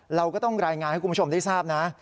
เราก็ต้องรายงานให้คุณผู้ชมได้ทราบนะ